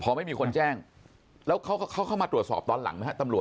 พอไม่มีคนแจ้งแล้วเขาเข้ามาตรวจสอบตอนหลังไหมฮะตำรวจ